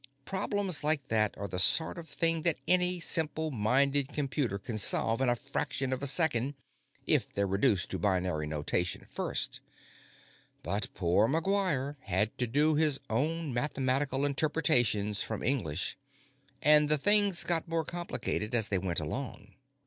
Problems like that are the sort of thing that any simple minded computer can solve in a fraction of a second if they're reduced to binary notation first, but poor McGuire had to do his own mathematical interpretations from English, and the things got more complicated as they went along.